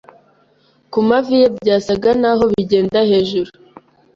Ku mavi ye byasaga naho bigenda hejuru